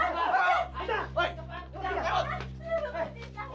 gitu aja mesti dikat tau